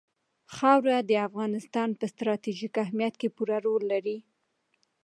خاوره د افغانستان په ستراتیژیک اهمیت کې پوره رول لري.